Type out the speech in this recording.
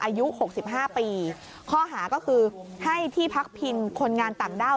อายุ๖๕ปีข้อหาก็คือให้ที่พักพินคนงานต่างด้าว